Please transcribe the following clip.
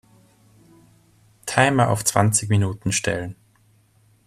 Timer auf zwanzig Minuten stellen.